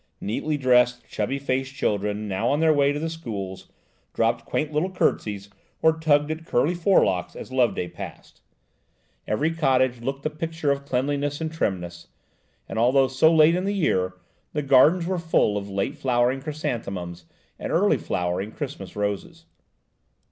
Neatly dressed chubby faced children, now on their way to the schools, dropped quaint little curtsies, or tugged at curly locks as Loveday passed; every cottage looked the picture of cleanliness and trimness, and although so late in the year, the gardens were full of late flowering chrysanthemums and early flowering Christmas roses.